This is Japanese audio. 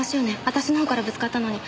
私のほうからぶつかったのに。